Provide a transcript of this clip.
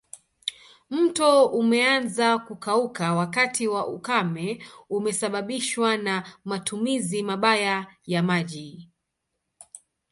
Mto umeanza kukauka wakati wa ukame umesababishwa na matumizi mabaya ya maji